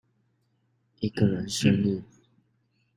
一個人生日